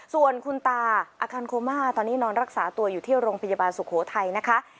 ส่วนคุณตาอาการโคม่าตอนนี้นอนรักษาตัวอยู่ที่โรงพยาบาลสุโขทัยนะคะ